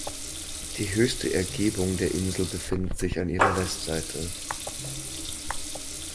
Die höchste Ergebung der Insel befindet sich an ihrer Westseite.